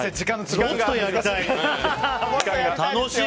もっとやりたい！